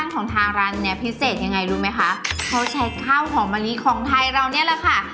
เขาใช้ข้าวของมาลีของไทยเราเน่ะค่ะ